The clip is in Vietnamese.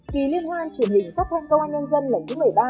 kỳ liên hoan truyền hình phát thanh công an nhân dân lần thứ một mươi ba